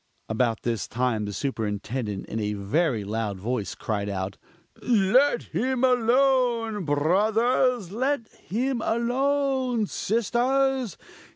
About this time the Superintendent in a very loud voice cried out "Let him alone, brothers! let him alone sisters!